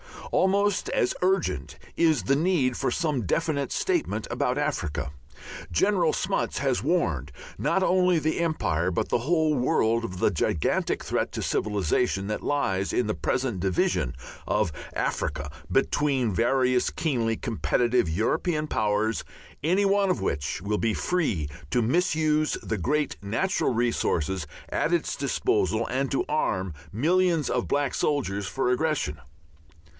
Almost as urgent is the need for some definite statement about Africa. General Smuts has warned not only the Empire, but the whole world of the gigantic threat to civilization that lies in the present division of Africa between various keenly competitive European Powers, any one of which will be free to misuse the great natural resources at its disposal and to arm millions of black soldiers for aggression.